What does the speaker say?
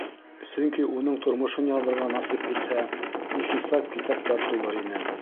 Сөнки уның тормошон яҙырға насип итһә, бихисап китаптар тулыр ине.